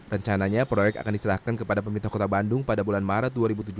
rencananya proyek akan diserahkan kepada pemerintah kota bandung pada bulan maret dua ribu tujuh belas